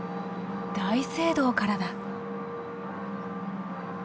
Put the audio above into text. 大聖堂からだ。